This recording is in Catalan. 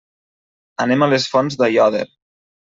Anem a les Fonts d'Aiòder.